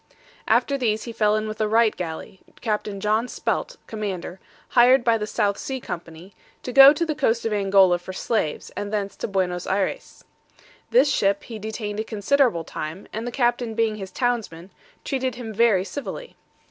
After these he fell in with the Wright galley, Capt. John Spelt, commander, hired by the South Sea company, to go to the coast of Angola for slaves, and thence to Buenos Ayres. This ship he detained a considerable time, and the captain being his townsman, treated him very civilly.